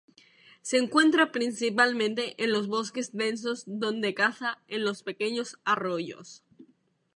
Se encuentra principalmente en los bosques densos donde caza en los pequeños arroyos.